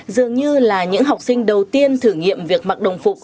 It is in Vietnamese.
dường như là những học sinh đầu tiên thử nghiệm việc mặc đồng phục